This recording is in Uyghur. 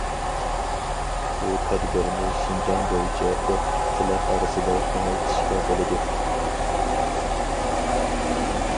بۇ تەدبىرنى شىنجاڭ بويىچە ئوقۇتقۇچىلار ئارىسىدا كېڭەيتىشكە بولىدۇ.